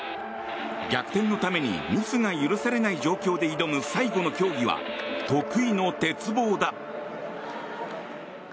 逆転のためにミスが許されない状況で挑む最後の競技は得意の鉄棒だ。